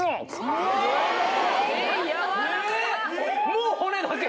もう骨だけ。